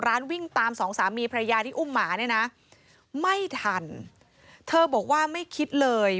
วิ่งตามสองสามีพระยาที่อุ้มหมาเนี่ยนะไม่ทันเธอบอกว่าไม่คิดเลย